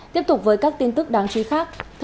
tiếp tục với các tin tức đáng truy khắc